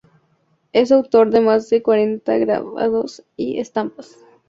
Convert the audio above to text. Es autor de más de cuarenta grabados y estampas.